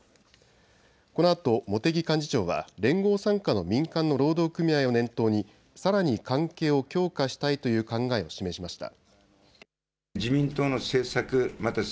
このあと茂木幹事長は連合傘下の民間の労働組合を念頭にさらに関係を強化したいという考えを示しました。